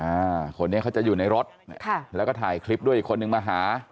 อ่าคนนี้เขาจะอยู่ในรถค่ะแล้วก็ถ่ายคลิปด้วยอีกคนนึงมาหา